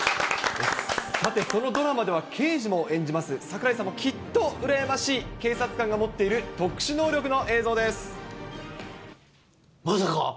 さて、そのドラマでは、刑事も演じます櫻井さんもきっと羨ましい、警察官が持っている特殊能力の映像です。